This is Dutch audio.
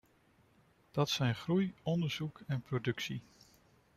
Dat zijn groei, onderzoek en productie.